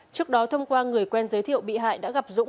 trước đó thông qua người quen giới thiệu bị hại đã gặp dũng